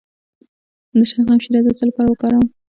د شلغم شیره د څه لپاره وکاروم؟